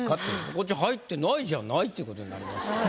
こっち入ってないじゃないということになりますから。